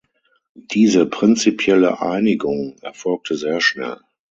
Diese prinzipielle Einigung erfolgte sehr schnell.